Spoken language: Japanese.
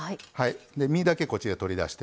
身だけこっちで取り出してます。